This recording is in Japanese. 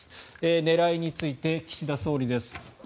狙いについて、岸田総理です。